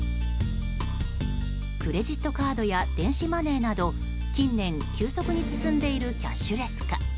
クレジットカードや電子マネーなど近年、急速に進んでいるキャッシュレス化。